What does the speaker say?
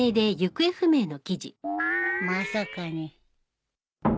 まさかね